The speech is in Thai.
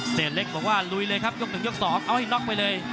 เล็กบอกว่าลุยเลยครับยก๑ยก๒เอาให้น็อกไปเลย